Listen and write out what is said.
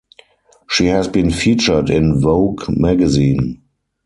She has been featured in Vogue Magazine.